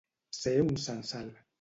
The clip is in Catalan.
Ser un censal.